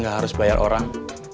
kita gak harus bayar orang